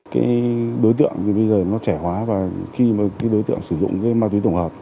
cái đối tượng thì bây giờ nó trẻ hóa và khi mà cái đối tượng sử dụng cái ma túy tổng hợp